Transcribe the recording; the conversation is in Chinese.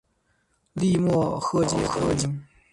粟末靺鞨得名。